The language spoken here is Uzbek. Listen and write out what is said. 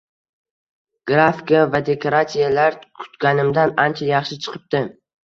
Grafika va dekoratsiyalar kutganimdan ancha yaxshi chiqibdi.